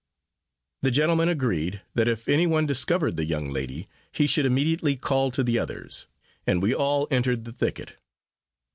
The gentlemen agreed, that if any one discovered the young lady, he should immediately call to the others; and we all entered the thicket.